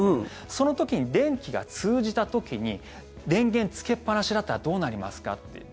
その時に電気が通じた時に電源、つけっぱなしだったらどうなりますかっていう。